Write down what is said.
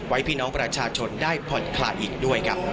ไว้พี่น้องประชาชนได้พลัดขลาดอีกด้วย